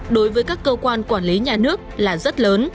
đối với các cơ quan quản lý nhà nước là rất lớn